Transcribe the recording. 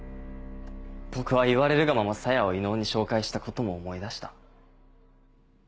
僕は言われるがまま沙耶を伊能に紹介したことも思い出した。